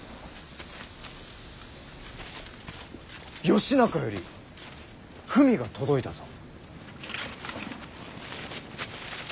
義仲より文が届いたぞ。